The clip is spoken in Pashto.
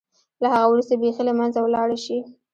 له هغه وروسته بېخي له منځه ولاړه شي.